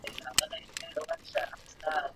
موږ باید د احساساتو لرې واوسو.